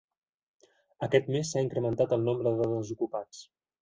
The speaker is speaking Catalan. Aquest mes s'ha incrementat el nombre de desocupats.